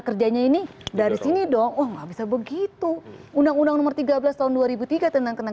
kerjanya ini dari sini dong oh nggak bisa begitu undang undang nomor tiga belas tahun dua ribu tiga tentang tenaga